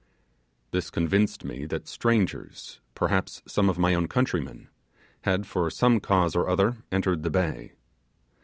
This convinced me that strangers perhaps some of my own countrymen had for some cause or other entered the bay.